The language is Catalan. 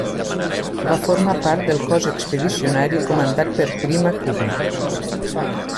Va formar part del cos expedicionari comandat per Prim a Cuba.